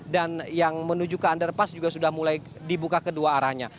dan yang menuju ke anderpas juga sudah mulai dibuka kedua arahnya